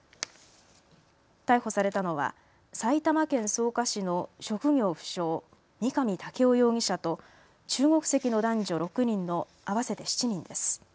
逮捕されたのは埼玉県草加市の職業不詳、三上健雄容疑者と中国籍の男女６人の合わせて７人です。